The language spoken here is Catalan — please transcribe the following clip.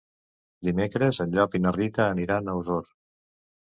Dimecres en Llop i na Rita aniran a Osor.